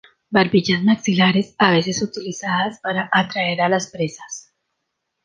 Barbillas maxilares a veces utilizadas para atraer a las presas.